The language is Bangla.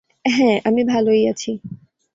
হ্যাঁ, আমি ভালোই আছি।